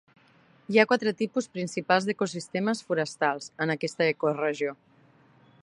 Hi ha quatre tipus principals d'ecosistemes forestals en aquesta ecoregió.